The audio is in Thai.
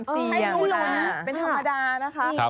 มีอะไรให้ลุ้นเป็นธรรมดานะคะ